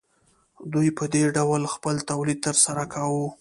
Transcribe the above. دوی په دې ډول خپل تولید ترسره کاوه